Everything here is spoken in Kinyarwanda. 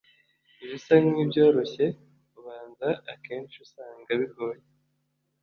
Ibisa nkibyoroshye ubanza akenshi usanga bigoye.